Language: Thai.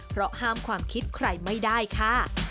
เพราะห้ามความคิดใครไม่ได้ค่ะ